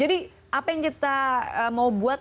jadi apa yang kita mau buat